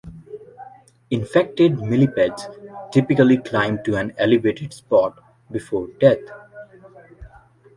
Infected millipedes typically climb to an elevated spot before death.